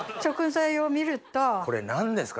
これ何ですか？